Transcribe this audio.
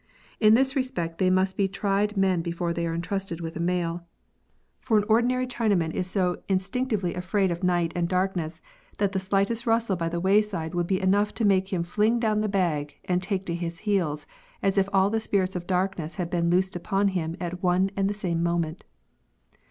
In this re spect they must be tried men before they are entrusted with a mail ; for an ordinary Chinaman is so instinc POSTAL SERVICE. 6i tively afraid of night and darkness, that the slightest rustle by the wayside would be enough to make him fling down the bag and take to his heels as if all the spirits of darkness had been loosed upon him at one and the same moment.